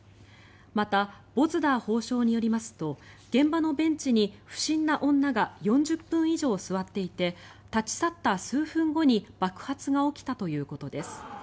またボズダー法相によりますと現場のベンチに不審な女が４０分以上座っていて立ち去った数分後に爆発が起きたということです。